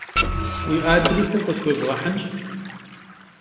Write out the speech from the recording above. Vui adrêsır khısxuêbğehınş.